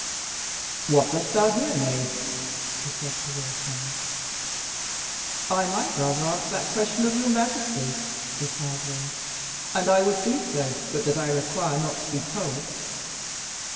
"What dost thou here, knave?" he said to Will Sommers. "I might rather ask that question of your majesty," replied Will; "and I would do so but that I require not to be told."